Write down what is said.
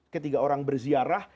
ketika orang berziarah